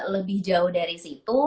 lebih jauh dari situ